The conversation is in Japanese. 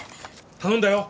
頼んだよ！